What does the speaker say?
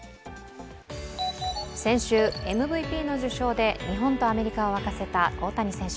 先週、ＭＶＰの受賞で日本とアメリカを沸かせた大谷選手。